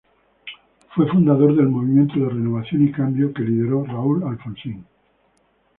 Fue fundador del Movimiento de Renovación y Cambio que lideró Raúl Alfonsín.